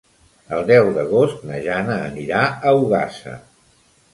El deu d'agost na Jana anirà a Ogassa.